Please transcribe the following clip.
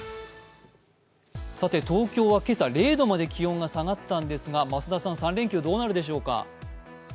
東京は今朝０度まで気温が下がったんですが、３連休どうなるでしょうか？